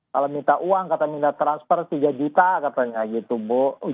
kalau minta uang kata minat transfer tiga juta katanya gitu bu